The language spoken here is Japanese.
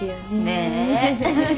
ねえ。